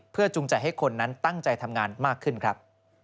จูงใจให้คนนั้นตั้งใจทำงานมากขึ้นครับ